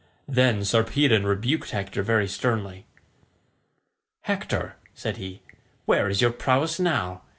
Then Sarpedon rebuked Hector very sternly. "Hector," said he, "where is your prowess now?